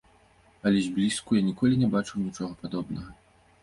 Але зблізку я ніколі не бачыў нічога падобнага.